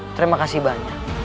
terima kasih banyak